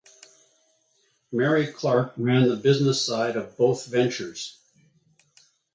May Clark ran the business side of both ventures.